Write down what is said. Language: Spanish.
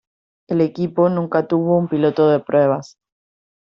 El equipo nunca tuvo un piloto de pruebas.